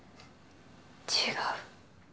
違う。